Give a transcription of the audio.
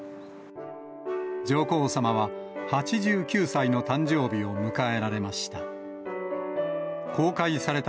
上皇さまは８９歳の誕生日を迎えられました。